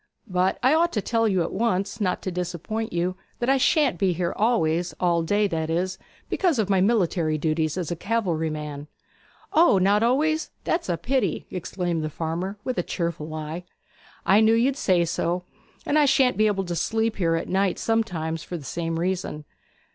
But I ought to tell you at once, not to disappoint you, that I shan't be here always all day, that is, because of my military duties as a cavalry man.' 'O, not always? That's a pity!' exclaimed the farmer with a cheerful eye. 'I knew you'd say so. And I shan't be able to sleep here at night sometimes, for the same reason.'